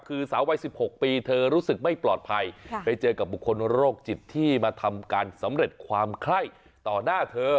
คือสาววัย๑๖ปีเธอรู้สึกไม่ปลอดภัยไปเจอกับบุคคลโรคจิตที่มาทำการสำเร็จความไข้ต่อหน้าเธอ